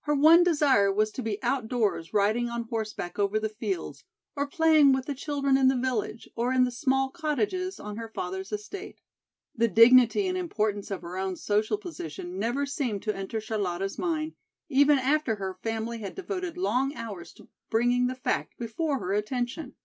Her one desire was to be outdoors riding on horseback over the fields, or playing with the children in the village, or in the small cottages on her father's estate. The dignity and importance of her own social position never seemed to enter Charlotta's mind, even after her family had devoted long hours to bringing the fact before her attention.